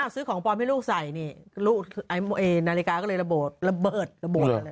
ซื้อของปลอมให้ลูกใส่นี่นาฬิกาก็เลยระเบิดระเบิดระเบิด